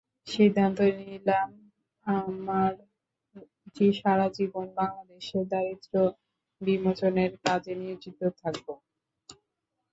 সিদ্ধান্ত নিলাম, আমার সারা জীবনে বাংলাদেশের দারিদ্র্য বিমোচনের কাজে নিয়োজিত থাকব।